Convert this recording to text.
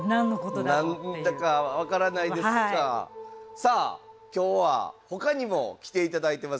さあ今日はほかにも来ていただいてます。